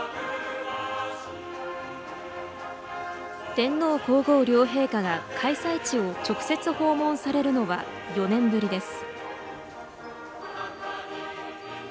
天皇皇后両陛下が開催地を直接訪問されるのは４年ぶりです。